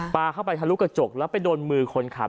เข้าไปทะลุกระจกแล้วไปโดนมือคนขับ